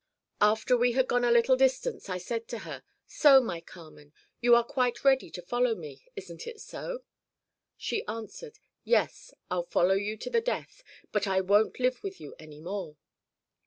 'After we had gone a little distance I said to her, "So, my Carmen, you are quite ready to follow me, isn't it so?" She answered, "Yes, I'll follow you to the death but I won't live with you any more."